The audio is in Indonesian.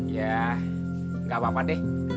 ya nggak apa apa deh